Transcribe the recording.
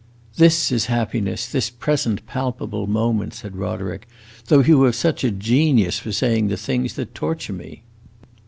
"This is happiness, this present, palpable moment," said Roderick; "though you have such a genius for saying the things that torture me!"